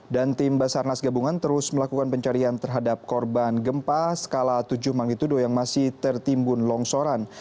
dan tim basarnas gabungan terus melakukan pencarian terhadap korban gempa skala tujuh manggitudo yang masih tertimbun longsoran